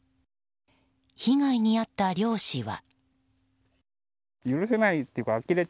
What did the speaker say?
被害に遭った漁師は。